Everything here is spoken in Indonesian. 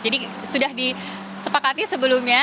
jadi sudah disepakati sebelumnya